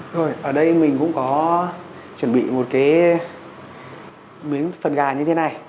rồi ở đây mình cũng có chuẩn bị một cái miếng phần gà như thế này